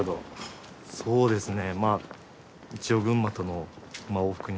そうですね。